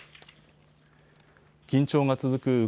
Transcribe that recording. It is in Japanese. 緊張が続く